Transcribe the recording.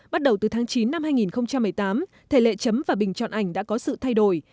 bắt đầu từ tháng chín năm hai nghìn một mươi tám thể lệ chấm và bình chọn ảnh đã có sự thay đổi